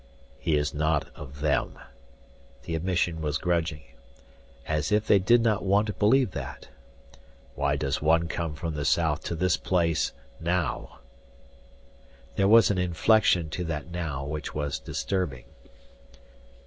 "He is not of them." The admission was grudging. As if they did not want to believe that. "Why comes one from the south to this place now?" There was an inflection to that "now" which was disturbing.